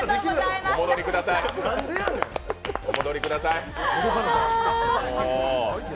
お戻りください。